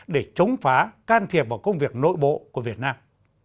để chống phá can thiệp vào công việc nội bộ của việt nam